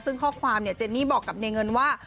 ซึ่งข้อความเนี่ยเจนนี่บอกกับในเงินว่า